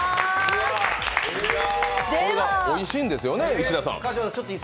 おいしいんですよね、石田さん。